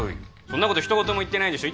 そんなこと一言も言ってないでしょ